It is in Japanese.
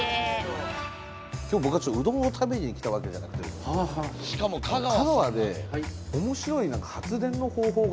今日僕はうどんを食べに来たわけじゃなくてあ知ってます？